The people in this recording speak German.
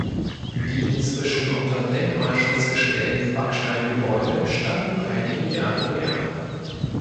Die inzwischen unter Denkmalschutz gestellten Backsteingebäude standen einige Jahre leer.